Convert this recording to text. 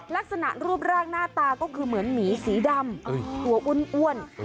ลักษณะรูปร่างหน้าตาก็คือเหมือนหมีสีดำตัวอ้วน